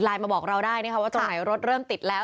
ไลน์มาบอกเราได้ว่าตรงไหนรถเริ่มติดแล้ว